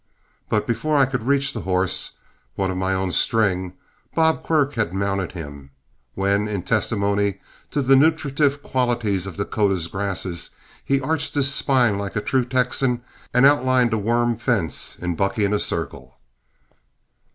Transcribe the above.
But before I could reach the horse, one of my own string, Bob Quirk had mounted him, when in testimony of the nutritive qualities of Dakota's grasses, he arched his spine like a true Texan and outlined a worm fence in bucking a circle.